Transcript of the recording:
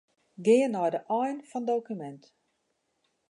Gean nei de ein fan dokumint.